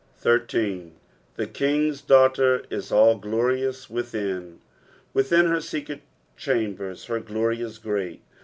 13. " TTte jti'n^'t daughter u all gloriou* viithin." Within her secret chambers her glory is great.